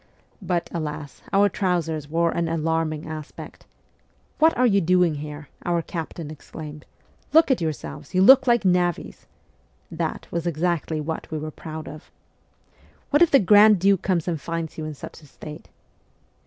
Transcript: But, alas, our trousers wore an alarming aspect. ' What are you doing there ?' our captain exclaimed. ' Look at yourselves ! You look like navvies ' (that was exactly what we were proud of). ' What if the Grand Duke comes and finds you in such a state